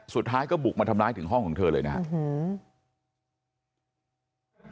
สุดท้ายก็บุกมาทำร้ายถึงห้องของเธอเลยนะครับ